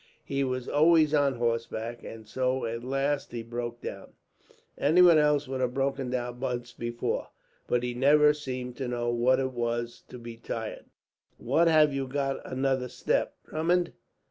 He was always on horseback, and so at last he broke down. Anyone else would have broken down months before, but he never seemed to know what it was to be tired." "What, have you got another step, Drummond?"